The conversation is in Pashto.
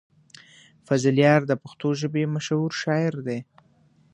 فضلیار د پښتو ژبې مشهور شاعر دی.